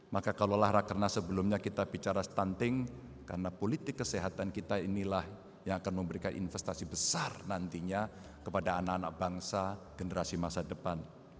maka kalau lah rakerna sebelumnya kita bicara stunting karena politik kesehatan kita inilah yang akan memberikan investasi besar nantinya kepada anak anak bangsa generasi masa depan